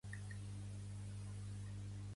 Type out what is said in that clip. Pertany al moviment independentista la Mariajo?